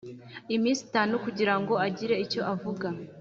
Iminsi itanu kugira ngo agire icyo avuga